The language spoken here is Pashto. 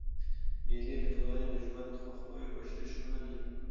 مېلې د ټولني د ژوند د خوښیو جشنونه دي.